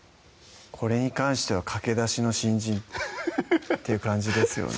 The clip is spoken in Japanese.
これに関してはかけだしの新人っていう感じですよね